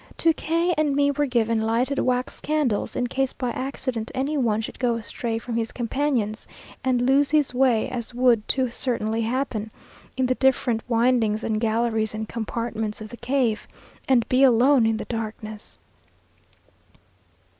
To K and me were given lighted wax candles, in case by accident any one should go astray from his companions, and lose his way, as would too certainly happen, in the different windings and galleries and compartments of the cave, and be alone in the darkness!